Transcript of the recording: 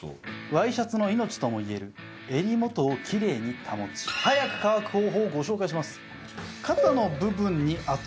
Ｙシャツの命ともいえる襟元をキレイに保ち早く乾く方法をご紹介します。